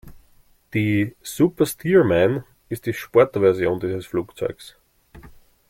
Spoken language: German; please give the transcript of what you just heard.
Die "Super Stearman" ist die Sportversion dieses Flugzeugs.